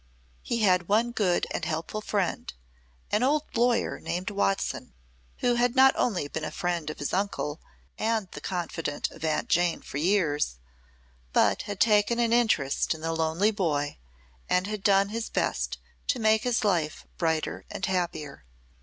He had one good and helpful friend, an old lawyer named Watson, who had not only been a friend of his uncle, and the confidant of Aunt Jane for years, but had taken an interest in the lonely boy and had done his best to make his life brighter and happier.